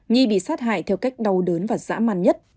nhi bị sát hại theo cách đau đớn và dã man nhất